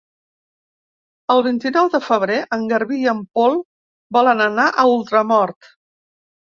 El vint-i-nou de febrer en Garbí i en Pol volen anar a Ultramort.